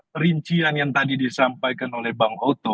perincian yang tadi disampaikan oleh bang oto